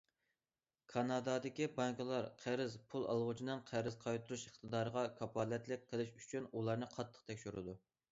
كانادادىكى بانكىلار قەرز پۇل ئالغۇچىنىڭ قەرز قايتۇرۇش ئىقتىدارىغا كاپالەتلىك قىلىش ئۈچۈن ئۇلارنى قاتتىق تەكشۈرىدۇ.